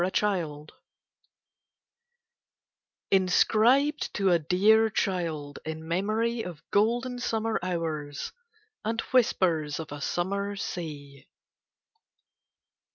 Inscribed to a dear Child: in memory of golden summer hours and whispers of a summer sea.